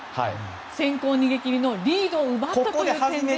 先行逃げ切りのリードを奪ったというところですね。